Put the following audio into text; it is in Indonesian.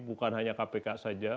bukan hanya kpk saja